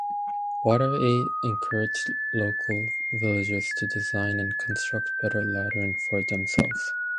WaterAid encouraged local villagers to design and construct better latrine for themselves.